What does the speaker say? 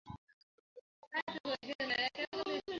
তিনি Samarkand, Bukhara, Otrar ও অন্যান্য শহরে হামলা চালান।